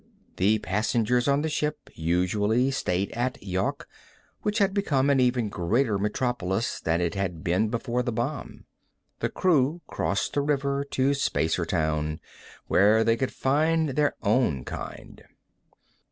The passengers on the ship usually stayed at Yawk, which had become an even greater metropolis than it had been before the Bomb. The crew crossed the river to Spacertown, where they could find their own kind.